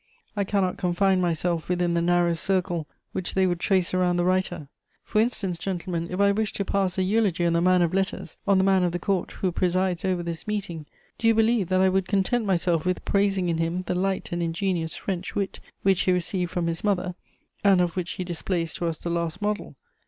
I cannot confine myself within the narrow circle which they would trace around the writer. For instance, gentlemen, if I wished to pass a eulogy on the man of letters, on the man of the Court who presides over this meeting, do you believe that I would content myself with praising in him the light and ingenious French wit which he received from his mother, and of which he displays to us the last model?